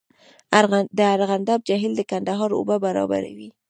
د ارغنداب جهیل د کندهار اوبه برابروي